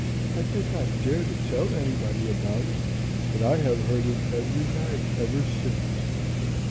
I did not dare to tell anybody about it, but I have heard it every night ever since.'